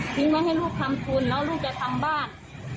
ไว้ให้ลูกทำทุนแล้วลูกจะทำบ้าน